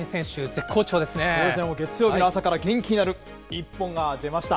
そうですね、月曜日の朝から元気になる一本が出ました。